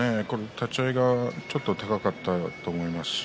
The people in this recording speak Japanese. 立ち合いちょっと高かったと思いますし。